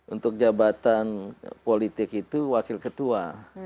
untuk jabatan politik itu wakil ketua